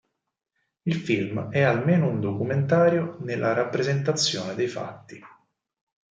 Il film è almeno un documentario nella rappresentazione dei fatti.